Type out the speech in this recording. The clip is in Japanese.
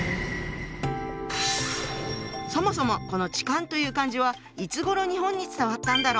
そもそもこの「痴漢」という漢字はいつごろ日本に伝わったんだろう。